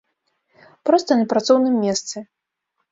Проста на працоўным месцы.